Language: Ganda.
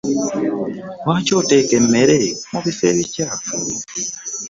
Lwaki oteeka emmere mu biffo ebikyafu?